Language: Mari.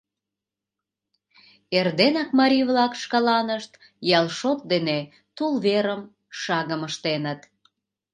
Эрденак марий-влак шкаланышт ял шот дене тул верым, шагым ыштеныт.